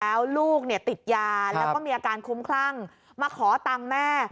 แล้วลูกเนี่ยติดยาแล้วก็มีอาการคุ้มคลั่งมาขอตังค์แม่